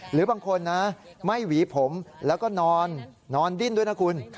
หรือบางคนนะไม่หวีผมแล้วก็นอนดิ้นด้วยนะคุณ